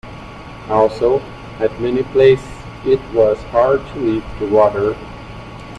Also, at many places it was hard to leave the water.